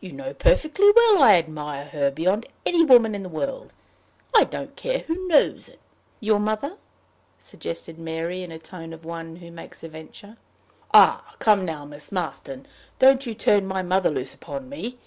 You know perfectly well I admire her beyond any woman in the world. I don't care who knows it." "Your mother?" suggested Mary, in the tone of one who makes a venture. "Ah, come now, Miss Marston! Don't you turn my mother loose upon me.